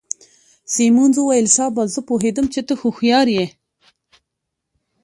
سیمونز وویل: شاباس، زه پوهیدم چي ته هوښیار يې.